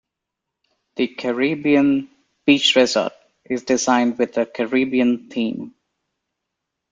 The Caribbean Beach Resort is designed with a Caribbean theme.